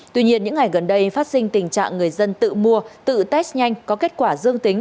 tuy nhiên những ngày gần đây phát sinh tình trạng người dân tự mua tự test nhanh có kết quả dương tính